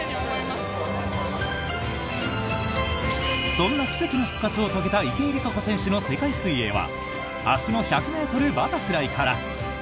そんな奇跡の復活を遂げた池江璃花子選手の世界水泳は明日の１００ｍバタフライから！